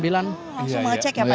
langsung ngecek ya pak presiden